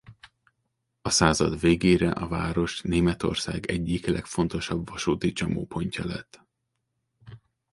A század végére a város Németország egyik legfontosabb vasúti csomópontja lett.